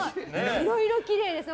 いろいろきれいね！